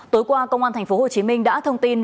tối qua công an tp hcm đã thông tin